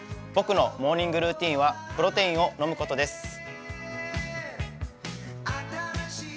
僕のモーニングルーチンはプロテインを飲むことです。